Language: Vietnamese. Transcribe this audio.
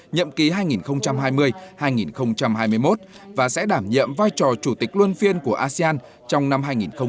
nhậm ký hai nghìn hai mươi hai nghìn hai mươi một và sẽ đảm nhiệm vai trò chủ tịch luân phiên của asean trong năm hai nghìn hai mươi